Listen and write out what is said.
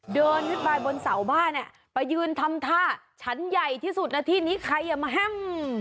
เดินไปบนเสาบ้านไปยืนทำท่าชั้นใหญ่ที่สุดที่นี่ใครอ่ะมะแฮ่ม